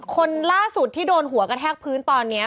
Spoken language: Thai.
คนล่าสุดที่โดนหัวกระแทกพื้นตอนนี้